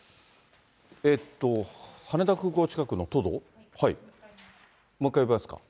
羽田空港近くのトド、もう一回呼びますか。